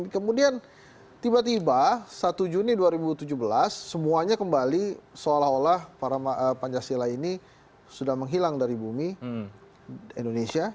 kemudian tiba tiba satu juni dua ribu tujuh belas semuanya kembali seolah olah para pancasila ini sudah menghilang dari bumi indonesia